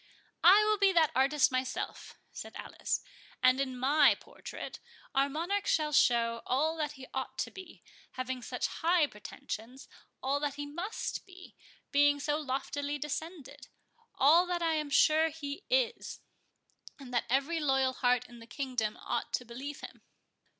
"I will be that artist myself" said Alice; "and, in my portrait, our Monarch shall show all that he ought to be, having such high pretensions—all that he must be, being so loftily descended—all that I am sure he is, and that every loyal heart in the kingdom ought to believe him."